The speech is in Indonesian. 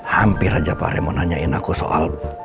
hampir aja pak remo nanyain aku soal